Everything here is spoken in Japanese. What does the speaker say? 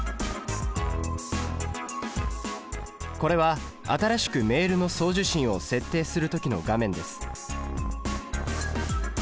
これは新しくメールの送受信を設定する時の画面です。